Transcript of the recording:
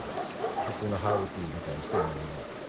普通のハーブティーみたいにして飲んでもらったらいい。